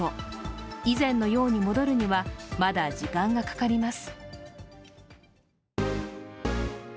以前のように戻るにはまだ時間がかかります。